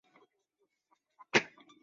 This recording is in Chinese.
小花荛花为瑞香科荛花属下的一个种。